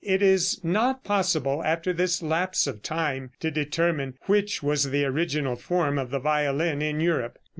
It is not possible after this lapse of time to determine which was the original form of the violin in Europe.